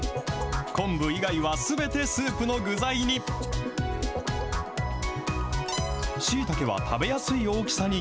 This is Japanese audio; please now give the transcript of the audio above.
昆布以外はすべてスープの具材に。